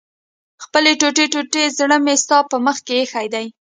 خپل ټوټې ټوټې زړه مې ستا په مخ کې ايښی دی